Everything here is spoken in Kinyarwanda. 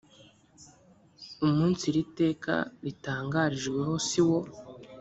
umunsi iriteka ritangarijweho siwo.